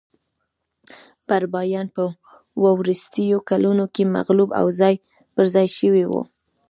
بربریان په وروستیو کلونو کې مغلوب او ځای پرځای شوي وو